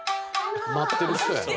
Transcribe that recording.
待ってる人やな。